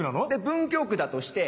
文京区だとして。